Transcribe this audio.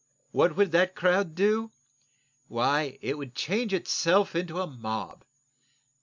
What would the crowd do? Why, it would change itself into a mob.